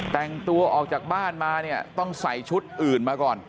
แต่งตัวออกจากบ้านมาเนี่ยต้องใส่ชุดอื่นมาก่อน